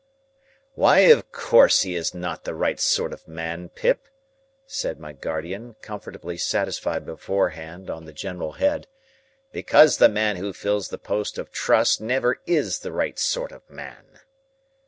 "Why of course he is not the right sort of man, Pip," said my guardian, comfortably satisfied beforehand on the general head, "because the man who fills the post of trust never is the right sort of man."